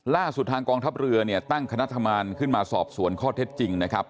ล่าสุดทางกองทัพเรือเนี่ยตั้งคณะทำงานขึ้นมาสอบสวนข้อเท็จจริงนะครับ